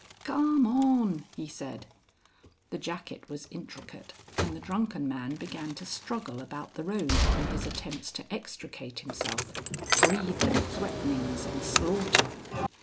"Carm on," he said. The jacket was intricate, and the drunken man began to struggle about the road, in his attempts to extricate himself, breathing threatenings and slaughter.